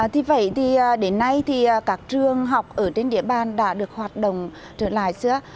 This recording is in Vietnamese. thì vậy thì đến nay thì các trường học ở trên địa bàn đã được hoạt động trở lại xưa